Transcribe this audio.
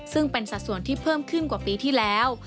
ซึ่งเป็นสัดส่วนที่เพิ่มขึ้นกว่าปีที่แล้ว